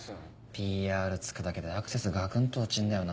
ＰＲ付くだけでアクセスガクンと落ちんだよなぁ。